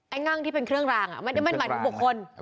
งั่งที่เป็นเครื่องรางไม่ได้มั่นหมายถึงบุคคล